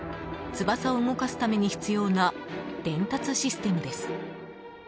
翼を動かすために必要な伝達システムです。